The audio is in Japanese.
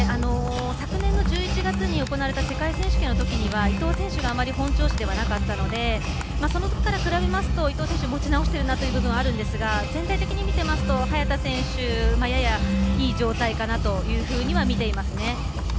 昨年の１１月に行われた世界選手権のときには伊藤選手があまり本調子ではなかったのでそのときから比べると、伊藤選手持ち直してるなというのはあるんですが全体的に見てみますと早田選手が、いい状態かなとみていますね。